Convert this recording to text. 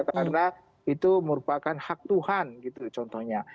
karena itu merupakan hak tuhan gitu contohnya